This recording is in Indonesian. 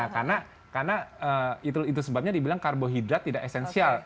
karena itu sebabnya dibilang karbohidrat tidak esensial